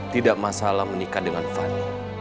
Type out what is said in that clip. tidak masalah menikah dengan fanny